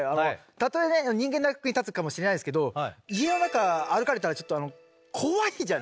たとえね人間の役に立つかもしれないですけど家の中歩かれたらちょっと怖いじゃないですか。